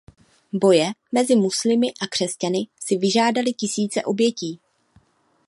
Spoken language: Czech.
Boje mezi muslimy a křesťany si vyžádaly tisíce obětí.